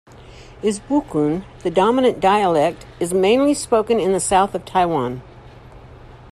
Isbukun, the dominant dialect, is mainly spoken in the south of Taiwan.